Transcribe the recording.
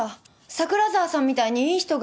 桜沢さんみたいにいい人が